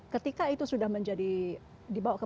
ketika itu sudah menjadi dibawa ke